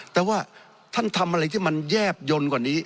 แต่ว่าท่านทำอะไรที่มันแยบยนต์กว่านี้